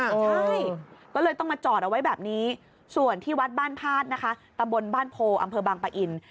ใช่ก็เลยต้องมาจอดเอาไว้แบบนี้ส่วนที่วัดบ้านพาดนะคะตำบลบ้านโพอำเภอบางปะอิน